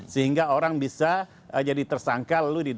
sehingga orang bisa jadi tersangka lalu di dpo kan